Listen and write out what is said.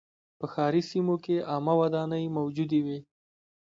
په ښاري سیمو کې عامه ودانۍ موجودې وې.